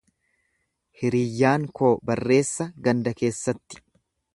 Hiriyyaan koo barreessa ganda keessatti.